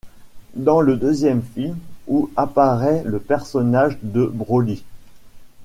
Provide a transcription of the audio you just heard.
Dans le deuxième film où apparaît le personnage de Broly.